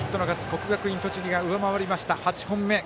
国学院栃木が上回って８本目。